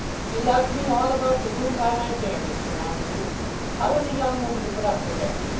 He lugged me all about the room by my hair, Mr. Montague. How is a young woman to put up with that?